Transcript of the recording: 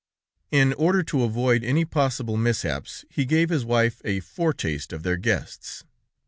In order to avoid any possible mishaps, he gave his wife a foretaste of their guests.